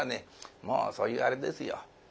もうそういうあれですよ。